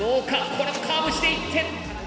これもカーブしていって。